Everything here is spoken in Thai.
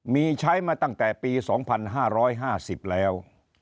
มีใช้มาตั้งแต่ปี๒๕๕๐แล้ว